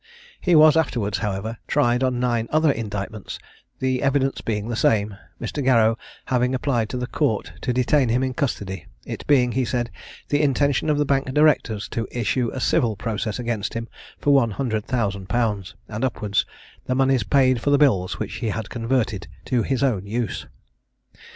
He was afterwards, however, tried on nine other indictments, the evidence being the same, Mr. Garrow having applied to the Court to detain him in custody, it being, he said, the intention of the Bank Directors to issue a civil process against him for one hundred thousand pounds, and upwards, the moneys paid for the bills which he had converted to his own use.